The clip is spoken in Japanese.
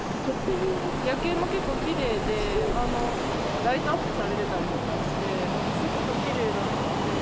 夜景も結構きれいで、ライトアップされてたりとかして、きれいだったので。